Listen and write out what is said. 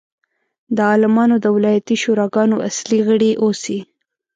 د عالمانو د ولایتي شوراګانو اصلي غړي اوسي.